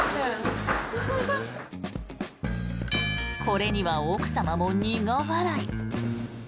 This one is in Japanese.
これには奥様も苦笑い。